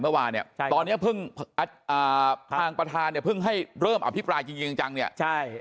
เมื่อวานเนี่ยตอนเนี้ยเพิ่งอ่าทางประธานเนี่ยเพิ่งให้เริ่มอภิปรายจริงจังเนี่ยใช่